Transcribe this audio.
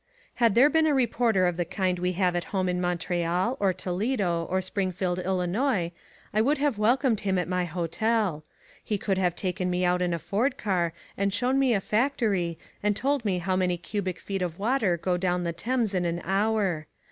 Had there been a reporter of the kind we have at home in Montreal or Toledo or Springfield, Illinois, I would have welcomed him at my hotel. He could have taken me out in a Ford car and shown me a factory and told me how many cubic feet of water go down the Thames in an hour.